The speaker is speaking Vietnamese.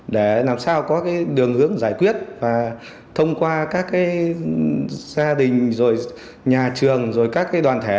để làm sao có cái đường hướng giải quyết và thông qua các cái gia đình rồi nhà trường rồi các cái đoàn thẻ